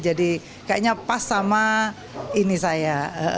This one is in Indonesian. jadi kayaknya pas sama ini saya